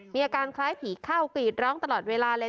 มีอาการคล้ายผีเข้ากรีดร้องตลอดเวลาเลย